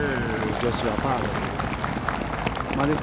女子はパーです。